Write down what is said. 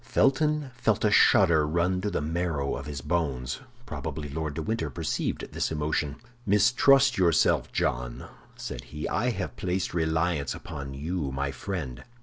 Felton felt a shudder run to the marrow of his bones; probably Lord de Winter perceived this emotion. "Mistrust yourself, John," said he. "I have placed reliance upon you, my friend.